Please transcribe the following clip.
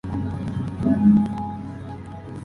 El álbum recibió críticas generalmente mixtas.